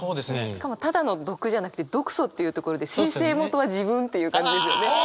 しかもただの毒じゃなくて「毒素」っていうところで生成元は自分っていう感じですよね。